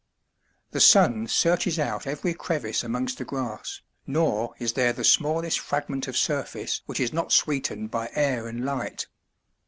The sun searches out every crevice amongst the grass, nor is there the smallest fragment of surface which is not sweetened by air and light.